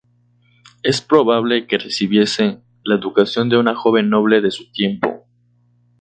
Es probable que recibiese la educación de una joven noble de su tiempo.